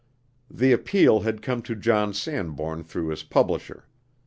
The appeal had come to John Sanbourne through his publisher.